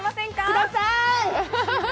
くださーい！